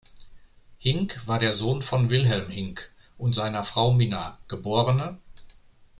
Hinck war der Sohn von Wilhelm Hinck und seiner Frau Minna geb.